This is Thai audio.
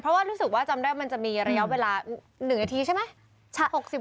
เพราะว่ารู้สึกว่าจำได้มันจะมีระยะเวลา๑นาทีใช่ไหม